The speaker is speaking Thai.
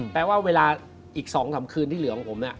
แปลว่าเวลาอีก๒๓คืนที่เหลือของผมเนี่ย